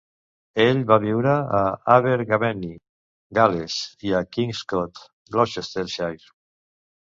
Ell va viure a Abergavenny, Gal·les, i a Kingscote, Gloucestershire.